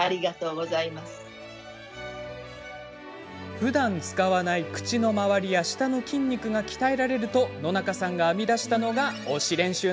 ふだん使わない口の周りや舌の筋肉が鍛えられると野中さんが編み出したのが推し練習！